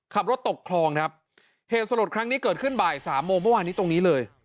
ขับรถตกคลองครับเหตุสลดครั้งนี้เกิดขึ้นบ่ายสามโมงเมื่อวานนี้ตรงนี้เลย